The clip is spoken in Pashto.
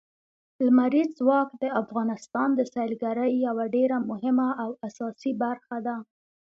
لمریز ځواک د افغانستان د سیلګرۍ یوه ډېره مهمه او اساسي برخه ده.